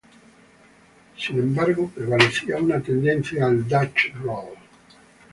Sin embargo, prevalecía una tendencia al "dutch roll".